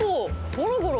ゴロゴロ？